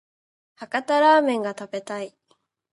博多ラーメンが食べたい